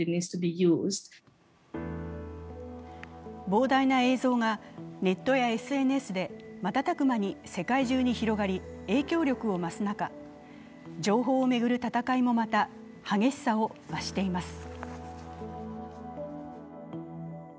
膨大な映像がネットやＳＮＳで瞬く間に世界中に広がり、影響力を増す中、情報を巡る戦いもまた激しさを増しています。